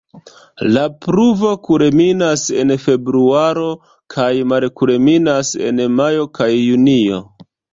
La pluvo kulminas en februaro kaj malkulminas en majo kaj junio.